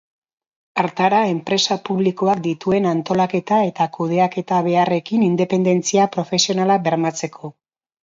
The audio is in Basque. Hartara, enpresa publikoak dituen antolaketa eta kudeaketa beharrekin independentzia profesionala bermatzeko.